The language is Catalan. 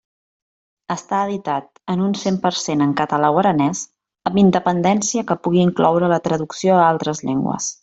Estar editat en un cent per cent en català o aranès, amb independència que pugui incloure la traducció a altres llengües.